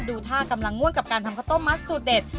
ดูท่ากำลังง่วนกับการทำข้าวต้มมัดสูตรเด็ด